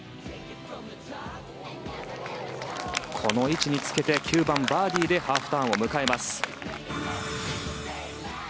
この位置につけて９番、バーディーでハーフターンを迎えます。